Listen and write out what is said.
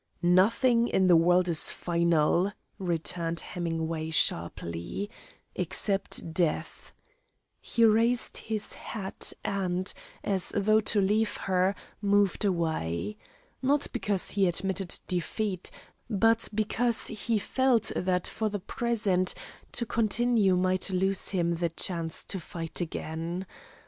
"Nothing in the world is final," returned Hemingway sharply, "except death." He raised his hat and, as though to leave her, moved away. Not because he admitted defeat, but because he felt that for the present to continue might lose him the chance to fight again.